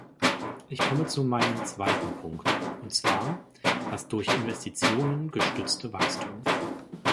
Ich komme zu meinem zweiten Punkt, und zwar das durch Investitionen gestützte Wachstum.